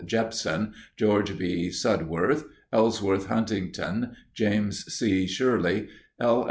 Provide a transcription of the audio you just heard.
Jepson, George B. Sudworth, Ellsworth Huntington, James C. Shirley, L.